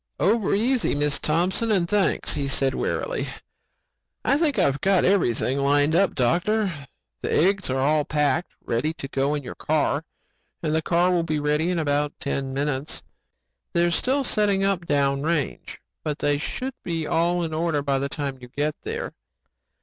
"Over easy, Mrs. Thompson and thanks," he said wearily. "I think I've got everything lined up, doctor. The eggs are all packed, ready to go in your car and the car will be ready in about ten minutes. They're still setting up down range but they should be all in order by the time you get there.